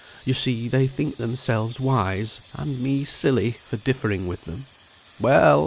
Yo see they think themselves wise, and me silly, for differing with them; well!